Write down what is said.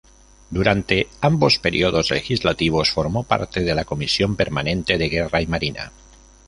Durante ambos períodos legislativos formó parte de la Comisión permanente de Guerra y Marina.